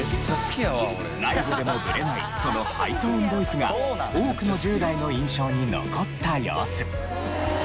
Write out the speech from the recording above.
ライブでもブレないそのハイトーンボイスが多くの１０代の印象に残った様子。